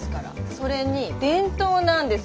それに伝統なんです。